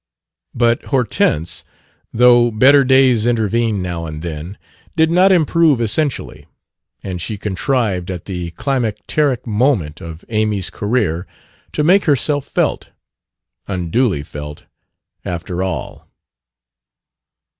But Hortense, though better days intervened now and then, did not improve essentially; and she contrived at the climacteric moment of Amy's career to make herself felt unduly felt after all.